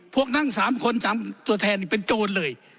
พวกนั่ง๓คน๓ตัวแทนเป็นโจรเลย